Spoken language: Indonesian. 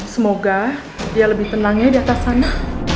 semoga dia lebih tenangnya di atas sana